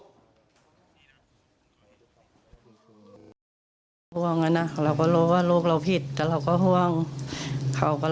ห่วงนะเราก็รู้ว่าโลกเราผิดแต่เราก็ห่วงเขาก็